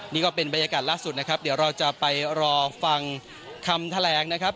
นี่ก็เป็นบรรยากาศล่าสุดนะครับเดี๋ยวเราจะไปรอฟังคำแถลงนะครับ